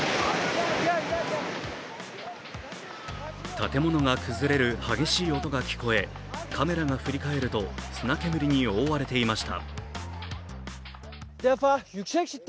建物が崩れる激しい音が聞こえ、カメラが振り返ると砂煙に覆われていました。